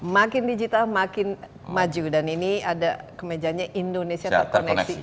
makin digital makin maju dan ini ada kemejanya indonesia terkoneksi